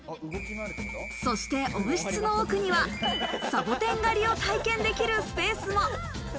そして温室の奥にはサボテンが狩りを体験できるスペースも。